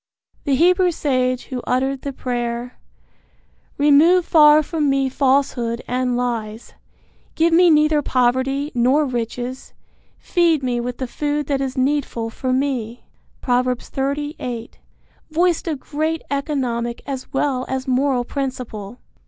The Hebrew sage who uttered the prayer: Remove far from me falsehood and lies; Give me neither poverty nor riches; Feed me with the food that is needful for me. Prov. 30:8. voiced a great economic as well as moral principle.